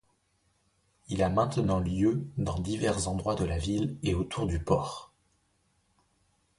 Il a maintenant lieu dans divers endroits de la ville et autour du port.